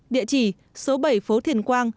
địa chỉ số bảy phố thiền quang